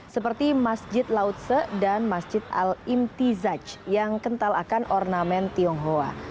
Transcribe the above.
seperti masjid lautse dan masjid al imtizaj yang kentalakan ornamen tionghoa